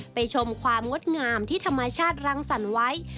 ชมความงดงามที่ธรรมชาติรังสรรค์ไว้